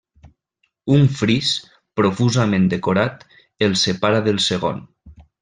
Un fris, profusament decorat, el separa del segon.